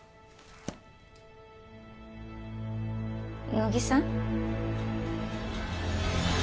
乃木さん？